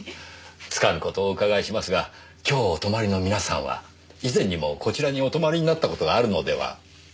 つかぬ事をお伺いしますが今日お泊まりの皆さんは以前にもこちらにお泊まりになった事があるのでは？